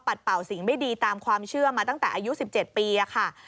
เป่าสิ่งไม่ดีตามความเชื่อมาตั้งแต่อายุ๑๗ปีค่ะ